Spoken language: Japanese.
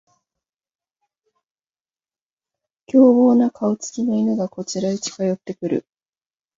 凶暴な顔つきの犬がこちらへ近寄ってくる